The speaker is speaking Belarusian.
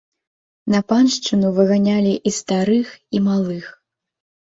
На паншчыну выганялі і старых і малых.